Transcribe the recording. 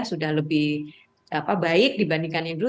sudah lebih baik dibandingkan yang dulu